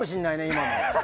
今の。